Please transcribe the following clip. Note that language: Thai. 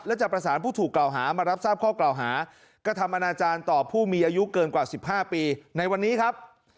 และจะประสานผู้ถูกกล่าวหามารับทราบข้อกล่าวหากระทำอนาจารย์ต่อผู้มีอายุเกินกว่า๑๕ปีในวันนี้ครับ